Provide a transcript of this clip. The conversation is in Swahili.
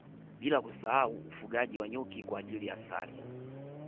Bila kusahau ufugaji wa nyuki kwa ajili ya asali